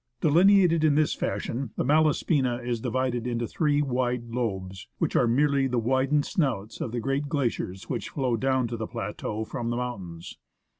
Delineated in this fashion, the Malaspina is divided into three wide lobes, which are merely the widened snouts of the great glaciers which flow down to the plateau from the mountains.